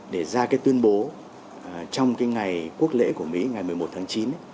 để ra tuyên bố trong ngày quốc lễ của mỹ ngày một mươi một tháng chín